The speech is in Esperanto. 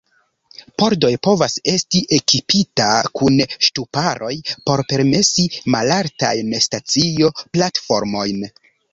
Pordoj povas esti ekipita kun ŝtuparoj por permesi malaltajn stacio-platformojn.